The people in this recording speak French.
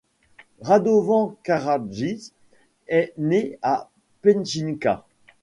Radovan Karadžić est né à Petnjica.